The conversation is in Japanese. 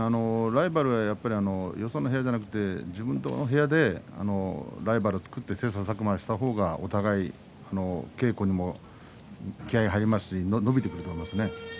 ライバルはよそではなく自分の部屋でライバルを作って切さたく磨した方が、お互いに稽古にも気合いが入りますし伸びていくと思います。